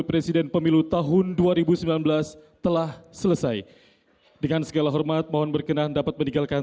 presiden pemilu tahun dua ribu sembilan belas telah selesai dengan segala hormat mohon berkenan dapat meninggalkan